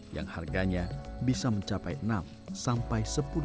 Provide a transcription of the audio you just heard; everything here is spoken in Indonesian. yang harganya bisa mencapai enam sampai sepuluh